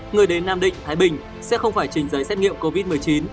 người đến nam định thái bình sẽ không phải trình giấy xét nghiệm covid một mươi chín